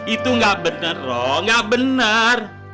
itu nggak bener rok nggak bener